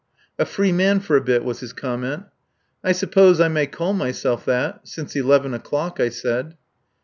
"A free man for a bit," was his comment. "I suppose I may call myself that since eleven o'clock," I said.